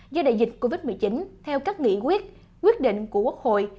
do đại dịch covid một mươi chín theo các nghị quyết quyết định của quốc hội